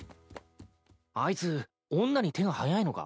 あいつ女に手が早いのか？